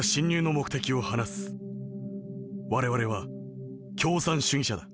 我々は共産主義者だ。